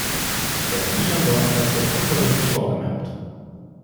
Der Termin am Donnerstag wurde unverbindlich vorgemerkt.